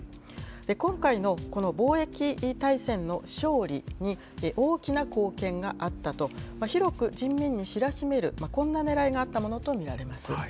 今回のこの防疫大戦の勝利に大きな貢献があったと、広く人民に知らしめる、こんなねらいがあったものと見られます。